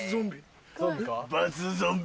・「×ソンビ？」